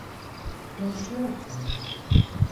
Konuşuyorsun.